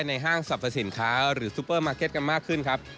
ห้างสรรพสินค้าหรือซูเปอร์มาร์เก็ตกันมากขึ้นครับ